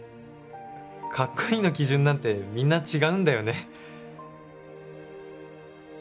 かっこいいの基準なんてみんな違うんだよね。